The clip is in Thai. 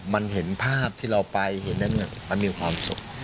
มันเห็นภาพที่เราไปมันมีความสุข